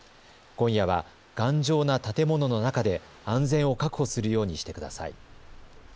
今夜は頑丈な建物の中で安全を確保するようにしてください。